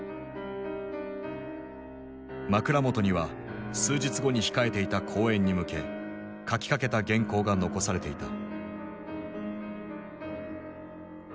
枕元には数日後に控えていた講演に向け書きかけた原稿が残されていた。